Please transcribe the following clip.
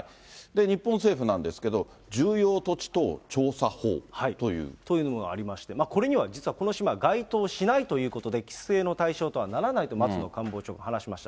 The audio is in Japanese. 日本政府なんですけど、というのがありまして、これには実はこの島、該当しないということで、規制の対象とはならないと、松野官房長官、話しました。